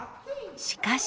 しかし。